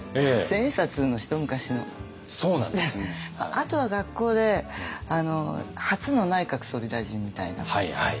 あとは学校で初の内閣総理大臣みたいなかな。